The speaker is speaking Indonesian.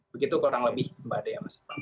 begitu kurang lebih mbak dea